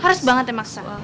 harus banget ya maksa